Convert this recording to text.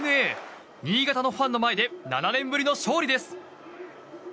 新潟のファンの前で７年ぶりの勝利です。